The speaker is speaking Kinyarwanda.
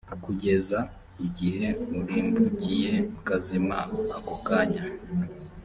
kugeza igihe urimbukiye ukazima ako kanya,